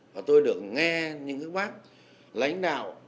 và tôi được nghe những bác lãnh đạo